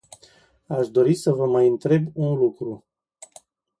Aș dori să vă mai întreb un lucru.